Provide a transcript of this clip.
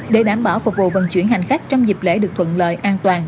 để đảm bảo phục vụ vận chuyển hành khách trong dịp lễ được thuận lợi an toàn